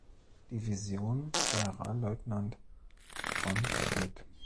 Division Generalleutnant von Schmidt.